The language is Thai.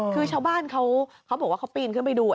คือชาวบ้านเขาบอกว่าเขาปีนขึ้นไปดู